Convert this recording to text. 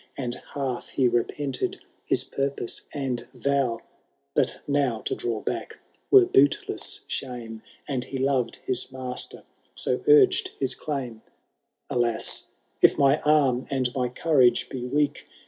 And half he repented his purpose and vow. But now to draw back were bootless shame, And he loved his master, so urged his claim :^ Alas ! if my arm and my courage be weak.